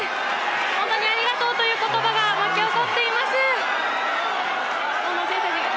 本当にありがとうという言葉が巻き起こっています。